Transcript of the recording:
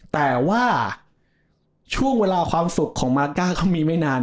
แต่ว่าช่วงเวลาความสุขของมาก้าเขามีไม่นาน